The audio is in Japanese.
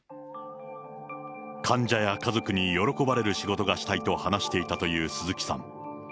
患者や家族に喜ばれる仕事がしたいと話していたという鈴木さん。